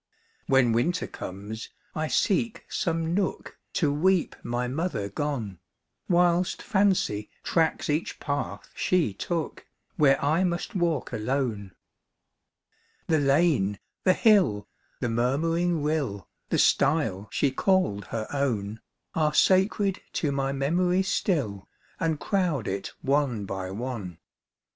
"When winter comes, I seek some nook, To weep my mother gone, Whilst fancy tracks each path she took, Where I must walk alone. The lane, the hill, the murmuring rill, The stjje she called her own, Are sacred to my memory still, And crowd it one by one.